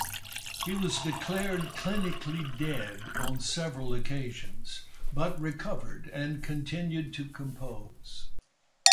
He was declared clinically dead on several occasions, but recovered and continued to compose.